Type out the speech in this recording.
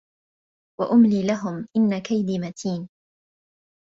وَأُمْلِي لَهُمْ إِنَّ كَيْدِي مَتِينٌ